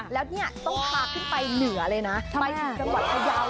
แล้วเนี่ยต้องพาขึ้นไปเหนือเลยนะไปที่สวรรค์พยาวเลย